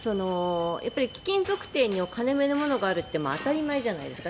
貴金属店には金目のものがあるって当たり前じゃないですか。